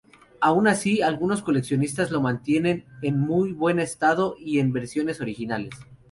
Aun así, algunos coleccionistas los mantienen en muy buen estado y en versiones originales.